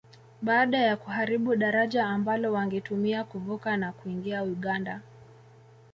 Baada ya kuharibu daraja ambalo wangetumia kuvuka na kuingia Uganda